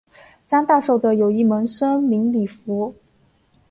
张大受的有一门生名李绂。